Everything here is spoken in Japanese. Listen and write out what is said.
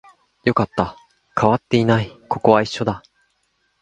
よかった、変わっていない、ここは一緒だ